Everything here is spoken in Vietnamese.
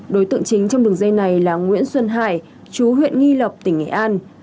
đối tượng chính trong đường dây này là nguyễn xuân hải chú huyện nghi lộc tỉnh nghệ an